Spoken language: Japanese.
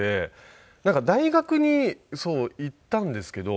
大学に行ったんですけど